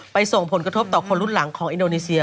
ส่งผลกระทบต่อคนรุ่นหลังของอินโดนีเซีย